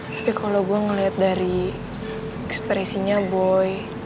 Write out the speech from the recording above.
tapi kalau gue ngeliat dari ekspresinya boy